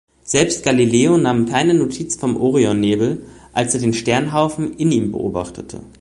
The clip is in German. Selbst Galileo nahm keine Notiz vom Orionnebel, als er den Sternhaufen in ihm beobachtete.